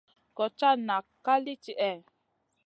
Gochata chata nak ka li tihè?